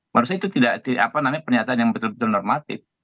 baru saja itu tidak apa namanya pernyataan yang betul betul normatif